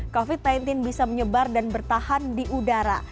covid sembilan belas bisa menyebar dan bertahan di udara